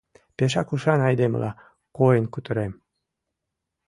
Пешак ушан айдемыла койын кутырем.